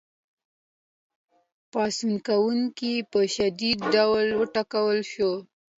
پاڅون کوونکي په شدید ډول وټکول شول.